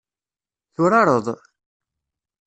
Turareḍ?